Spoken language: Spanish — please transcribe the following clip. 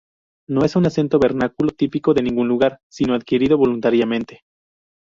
No es un acento vernáculo típico de ningún lugar, sino adquirido voluntariamente.